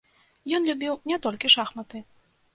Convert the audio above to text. Ён любіў не толькі шахматы.